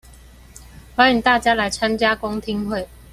歡迎大家來參加公聽會